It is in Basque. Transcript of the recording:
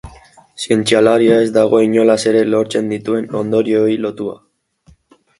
Zientzialaria ez dago inolaz ere lortzen dituen ondorioei lotua.